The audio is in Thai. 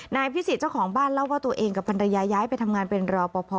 นายพิสิทธิ์เจ้าของบ้านเล่าว่าตัวเองกับภรรยาย้ายไปทำงานเป็นรอปภ